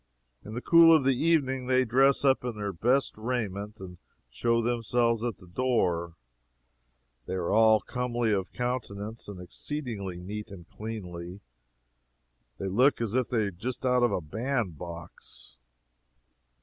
In the cool of the evening they dress up in their best raiment and show themselves at the door. They are all comely of countenance, and exceedingly neat and cleanly; they look as if they were just out of a band box.